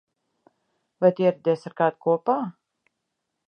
Vai tu ieradies ar kādu kopā?